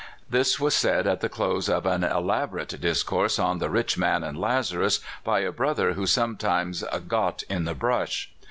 This was said at the close of an elaborate dis course on "The Rich Man and Lazarus," by a brother who sometimes got " in the brush."